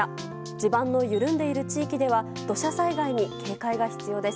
地盤の緩んでいる地域では土砂災害に警戒が必要です。